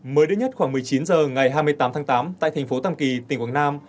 mới đây nhất khoảng một mươi chín h ngày hai mươi tám tháng tám tại thành phố tàm kỳ tỉnh quảng nam